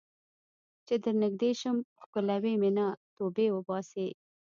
چې درنږدې شم ښکلوې مې نه ، توبې وباسې